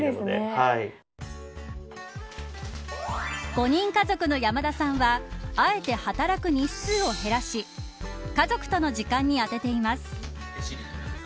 ５人家族の山田さんはあえて働く日数を減らし家族との時間に充てています。